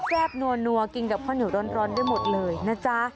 บนัวกินกับข้าวเหนียวร้อนได้หมดเลยนะจ๊ะ